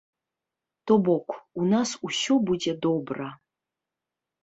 То бок, у нас усё будзе добра.